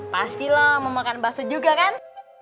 pasti lo mau makan bakso juga kan